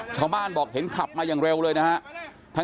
ชาวบ้านบอกเห็นขับมาอย่างเร็วเลยนะครับ